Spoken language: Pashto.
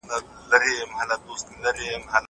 که وخت وي، زدکړه کوم!!